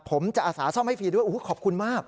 ผมจะอสาส่อมให้ฟรีด้วยขอบคุณมาก